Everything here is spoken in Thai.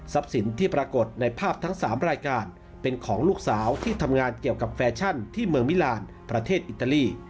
สินที่ปรากฏในภาพทั้ง๓รายการเป็นของลูกสาวที่ทำงานเกี่ยวกับแฟชั่นที่เมืองมิลานประเทศอิตาลี